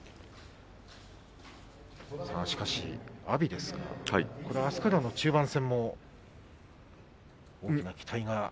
阿炎ですが、あすからの中盤戦も大きな期待が。